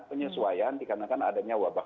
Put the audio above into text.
penyesuaian dikarenakan adanya wabah